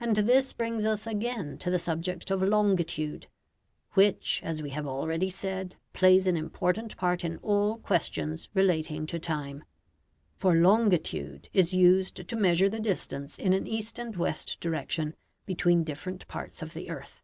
And this brings us again to the subject of longitude, which, as we have already said, plays an important part in all questions relating to time; for longitude is used to measure the distance in an east and west direction between different parts of the earth.